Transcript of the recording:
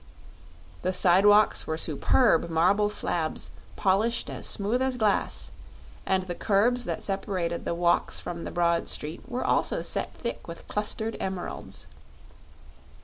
The sidewalks were superb marble slabs polished as smooth as glass, and the curbs that separated the walks from the broad street were also set thick with clustered emeralds.